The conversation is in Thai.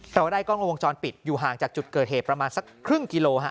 แต่ว่าได้กล้องวงจรปิดอยู่ห่างจากจุดเกิดเหตุประมาณสักครึ่งกิโลฮะ